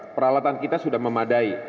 peralatan kita sudah memadai